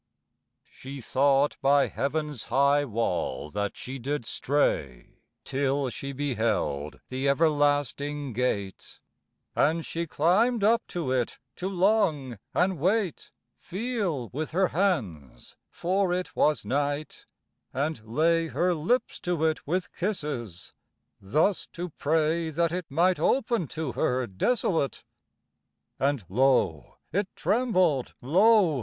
She thought by heaven's high wall that she did stray Till she beheld the everlasting gate: And she climbed up to it to long, and wait, Feel with her hands (for it was night), and lay Her lips to it with kisses; thus to pray That it might open to her desolate. And lo! it trembled, lo!